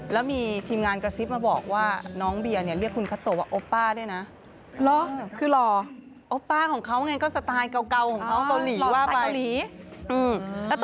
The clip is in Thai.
แล้วมีทีมงานกระซิบมาบอกว่าน้องเบียร์เนี่ยเรียกคุณคัตโตว่าโอป้าด้วยนะ